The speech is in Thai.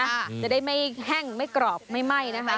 จะได้ไม่แห้งไม่กรอบไม่ไหม้นะคะ